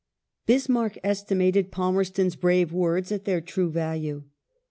Bismai'ck estimated Palmerston's brave words at their true value.